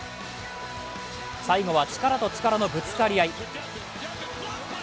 最後は力と力のぶつかり合い。